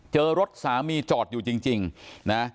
รถสามีจอดอยู่จริงนะ